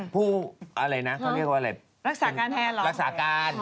ผู้อะไรนะเขาเรียกว่าอะไรรักษาการแทนเหรอรักษาการ